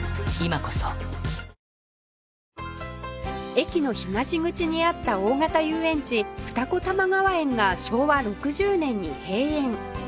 駅の東口にあった大型遊園地二子玉川園が昭和６０年に閉園